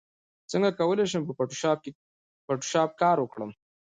څنګه کولی شم په فوټوشاپ کار وکړم